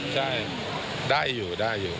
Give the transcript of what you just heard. ใช่ได้อยู่